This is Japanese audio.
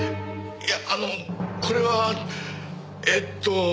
いやあのこれはえっと。